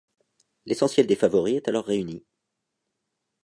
L'essentiel des favoris est alors réuni.